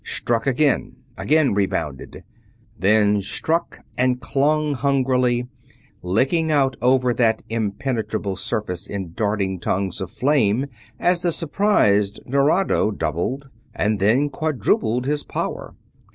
Struck again, again rebounded; then struck and clung hungrily, licking out over that impermeable surface in darting tongues of flame as the surprised Nerado doubled and then quadrupled his power.